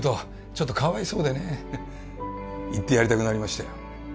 ちょっとかわいそうでね言ってやりたくなりましたよ